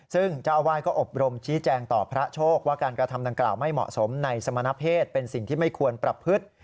ซึ่งเจ้าอาวาสก็อบรมชี้แจงต่อพระโชคว่าการกระทำดังกล่าวไม่เหมาะสมในสมณเพศเป็นสิ่งที่ไม่ควรประพฤติ